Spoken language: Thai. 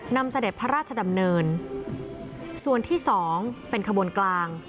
เสด็จพระราชดำเนินส่วนที่สองเป็นขบวนกลาง